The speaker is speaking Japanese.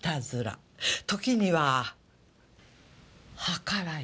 時にははからい。